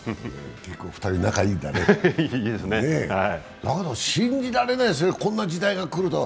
だけど、信じられないですねこんな時代が来るとは。